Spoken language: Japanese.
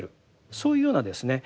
そういうようなですね